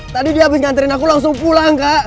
tadi dia habis nganterin aku langsung pulang kak